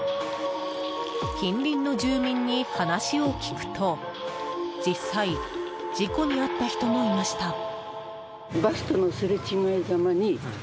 近隣の住民に話を聞くと実際、事故に遭った人もいました。